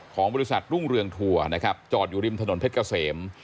ของบริษัทรุ่งเรืองทัวร์นะครับจอดอยู่ริมถนนเพชรเกษม